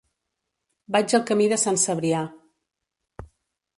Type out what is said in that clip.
Vaig al camí de Sant Cebrià.